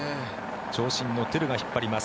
長身のトゥルが引っ張ります。